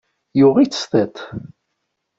Yuɣ-it s tiṭ.